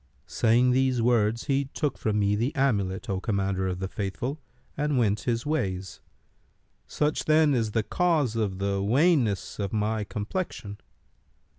Saying these words, he took from me the amulet, O Commander of the Faithful, and went his ways. Such, then, is the cause of the wanness of my complexion.